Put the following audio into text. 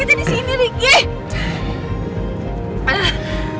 rumah sakitnya di sini ricky